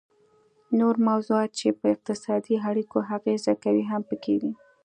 نور موضوعات چې په اقتصادي اړیکو اغیزه کوي هم پکې دي